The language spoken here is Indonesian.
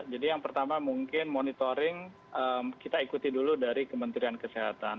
jadi yang pertama mungkin monitoring kita ikuti dulu dari kementerian kesehatan